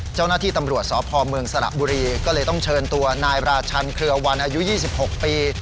เจ้าหน้าที่ตำรวจสพเมืองสระบุรีก็เลยต้องเชิญตัวนายราชันเครือวันอายุ๒๖ปี